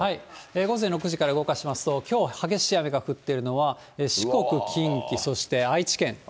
午前６時から動かしますと、きょう激しい雨が降っているのは、四国、近畿、そして愛知県。